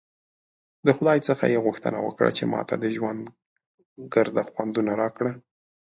د خدای څخه ېې غوښتنه وکړه چې ماته د ژوند ګرده خوندونه راکړه!